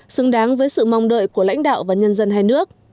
xứng đáng với sự mong đợi của lãnh đạo và nhân dân hai nước